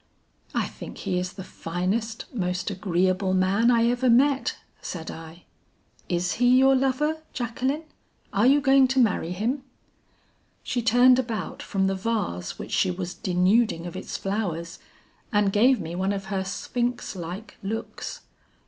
"'I think he is the finest, most agreeable man I ever met,' said I. 'Is he your lover, Jacqueline? Are you going to marry him?' "She turned about from the vase which she was denuding of its flowers, and gave me one of her sphinx like looks.